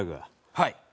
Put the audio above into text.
はい。